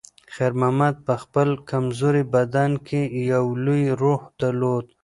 خیر محمد په خپل کمزوري بدن کې یو لوی روح درلود.